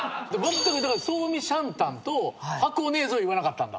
「創味シャンタン」と「ハコネーゼ」を言わなかったんだ。